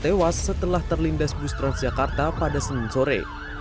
tiba tiba terserempet bus transjakarta yang melaju searah